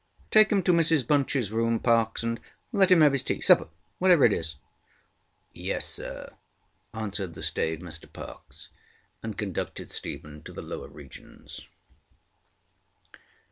Take him to Mrs BunchŌĆÖs room, Parkes, and let him have his teaŌĆösupperŌĆöwhatever it is. ŌĆØ ŌĆ£Yes, sir, ŌĆØ answered the staid Mr Parkes; and conducted Stephen to the lower regions.